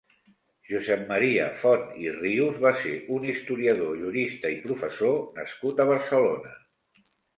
Josep Maria Font i Rius va ser un historiador, jurista i professor nascut a Barcelona.